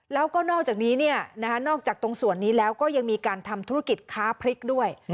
แล้วก็นอกจากนี้นอกจากตรงส่วนนี้แล้วก็ยังมีการทำธุรกิจค้าพริกด้วย